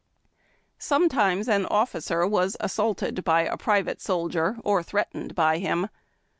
Sometimes an officer was assaulted by a private soldier or threatened by him.